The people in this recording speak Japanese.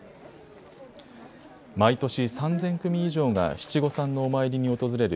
毎年３０００組以上が七五三のお参りに訪れる